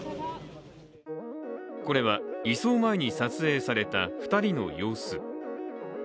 これは、移送前に撮影された２人の様子。